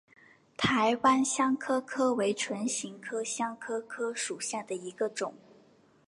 台湾香科科为唇形科香科科属下的一个种。